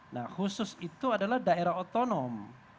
nah khusus itu adalah daerah otonom